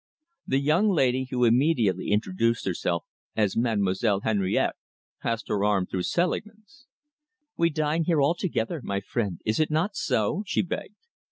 The young lady, who immediately introduced herself as Mademoiselle Henriette, passed her arm through Selingman's. "We dine here all together, my friend, is it not so?" she begged.